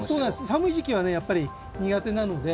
寒い時期はやっぱり苦手なので。